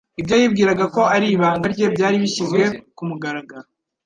ibyo yibwiraga ko ari ibanga rye byari bishyizwe ku mugaragaro